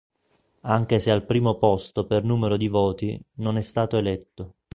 Anche se al primo posto per numero di voti, non è stato eletto.